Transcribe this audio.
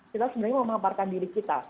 kita sebenarnya memaparkan diri kita